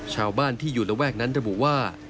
ชาวบ้านที่อยู่ระแวกนั้นระบุว่า